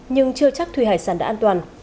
nhưng chưa chắc thủy hải sản đã an toàn